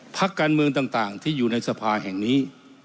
พักการเมืองต่างที่อยู่ในสภาแห่งนี้